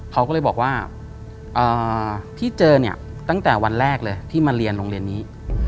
เขาก็เลยบอกว่าที่เจอเนี่ยตั้งแต่วันแรกเลยที่มาเรียนโรงเรียนนี้